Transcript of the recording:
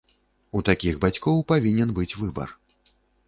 У такіх бацькоў павінен быць выбар.